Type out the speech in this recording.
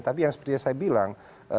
tapi yang sepertinya saya bilang